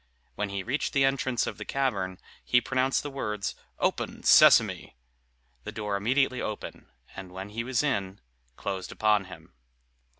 When he reached the entrance of the cavern, he pronounced the words, "Open, Sesame!" The door immediately opened, and when he was in, closed upon him.